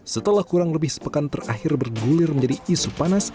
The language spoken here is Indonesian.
setelah kurang lebih sepekan terakhir bergulir menjadi isu panas